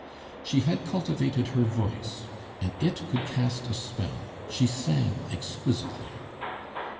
She had cultivated her voice, and it could cast a spell; she sang exquisitely.